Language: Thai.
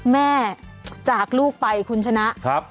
จากลูกไปคุณชนะ